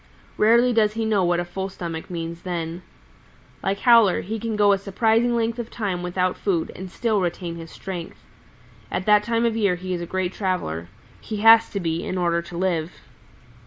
Rarely does he know what a full stomach means then. Like Howler he can go a surprising length of time without food and still retain his strength. At that time of year he is a great traveler. He has to be, in order to live.